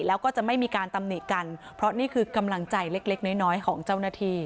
แล้วก็จะไม่มีการตำหนิกันเพราะนี่คือกำลังใจเล็กเล็กน้อยน้อยของเจ้าหน้าที่